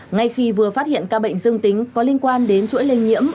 ngay khi vừa phát hiện ca bệnh dương tính có liên quan đến chuỗi lây nhiễm